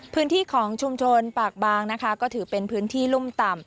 พื้นที่ของชุมชนปากบางนะคะก็ถือเป็นพื้นที่รุ่มต่ำ